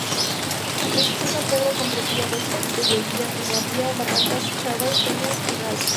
La Sección San Pedro comprendía los distritos de: Villa Rivadavia, Barrancas, Chañar, Peñas, Ralos.